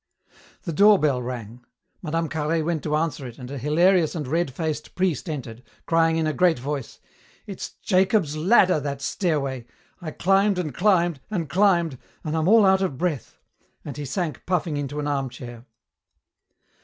The doorbell rang. Mme. Carhaix went to answer it and a hilarious and red faced priest entered, crying in a great voice, "It's Jacob's ladder, that stairway! I climbed and climbed and climbed, and I'm all out of breath," and he sank, puffing, into an armchair.